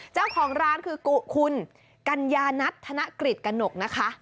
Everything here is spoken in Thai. เจ้าของร้านคือกุคุนกัญญานัตนกฤษกระหงก